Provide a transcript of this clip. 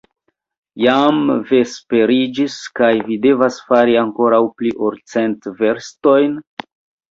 Jam vesperiĝis, kaj vi devas fari ankoraŭ pli ol cent verstojn?